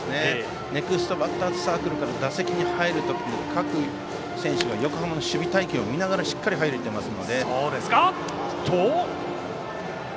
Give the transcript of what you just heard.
ネクストバッターズサークルから打席に入る時に各選手は守備隊形を見ながらしっかり入れています。